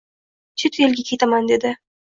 — Chet elga... ketaman, dedi.